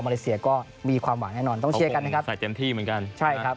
อาเซียก็มีความหวังแน่นอนต้องเชียร์กันนะครับ